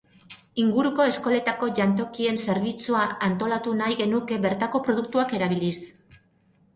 Inguruko eskoletako jantokien zerbitzua antolatu nahi genuke bertako produktuak erabiliz.